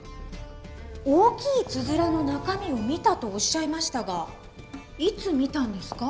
大きいつづらの中身を見たとおっしゃいましたがいつ見たんですか？